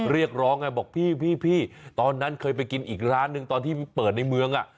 เรียกร้องไงบอกพี่ตอนนั้นเคยไปกินอีกร้านหนึ่งตอนที่เปิดในเมืองอ่ะ